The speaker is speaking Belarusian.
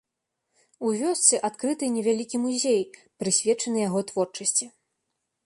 У вёсцы адкрыты невялікі музей, прысвечаны яго творчасці.